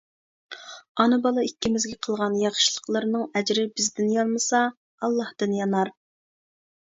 ئانا-بالا ئىككىمىزگە قىلغان ياخشىلىقلىرىنىڭ ئەجرى بىزدىن يانمىسا، ئاللادىن يانار!